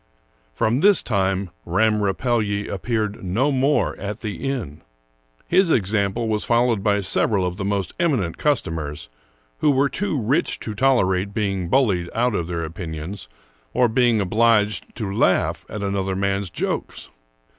From this time Ramm Rapelye appeared no more at the inn. His example was followed by several of the most eminent customers, who were too rich to tolerate being bullied out of their opinions or being obliged to laugh at another man's jokes.